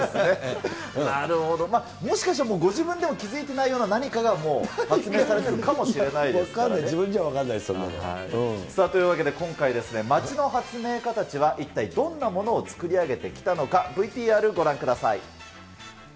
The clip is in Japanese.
なるほど、もしかしたら、ご自分でも気付いていないような何かを発明されてるかもしれない分かんない、自分じゃ分かんというわけで、今回、町の発明家たちは一体どんなものを作り上げてきたのか、ＶＴＲご覧ください。